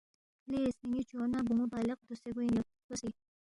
لے سنینی چو نا بونو بالغ دوسے گوین یود ہلتوسی